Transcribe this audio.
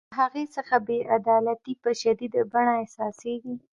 له هغې څخه بې عدالتي په شدیده بڼه احساسیږي.